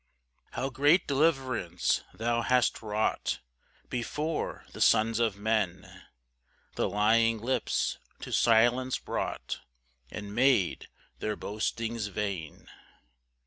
5 How great deliverance thou hast wrought Before the sons of men! The lying lips to silence brought, And made their boastings vain!